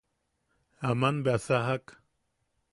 Aman bea sajak;.